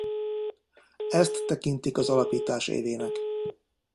Ezt tekintik az alapítás évének.